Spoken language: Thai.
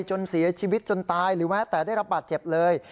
จนเสียชีวิตจนตายหรือแม้แต่ได้รับบาดเจ็บเลย